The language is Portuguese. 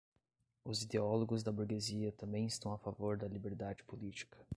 os ideólogos da burguesia também estão a favor da liberdade política